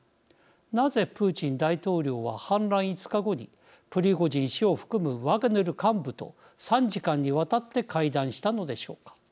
なぜプーチン大統領は反乱５日後にプリゴジン氏を含むワグネル幹部と３時間にわたって会談したのでしょうか。